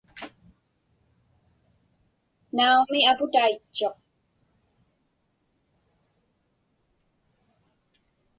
Naumi, aputaitchuq.